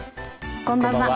こんばんは。